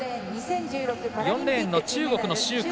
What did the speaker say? ４レーン、中国の周霞。